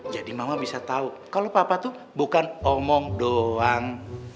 jadi mama bisa tau kalau papa tuh bukan omong doang